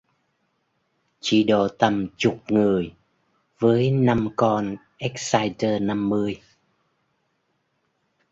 Chỉ độ tầm chục người với năm con Exciter năm mươi